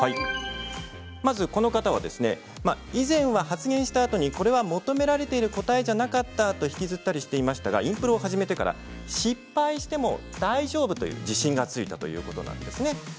この方は以前は発言したあとにこれは求められている答えじゃなかったと引きずったりしていましたがインプロを始めてからは失敗しても大丈夫という自信がついたとのことです。